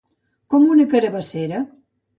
Com una carabassera.